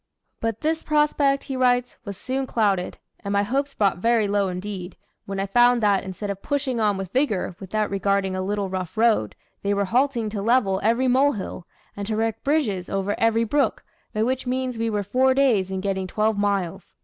"But this prospect," he writes, "was soon clouded, and my hopes brought very low indeed, when I found that, instead of pushing on with vigor, without regarding a little rough road, they were halting to level every molehill, and to erect bridges over every brook, by which means we were four days in getting twelve miles."